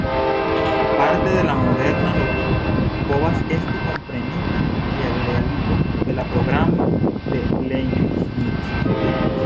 Parte la "moderna logiko" povas esti komprenita kiel realigo de la programo de Leibniz.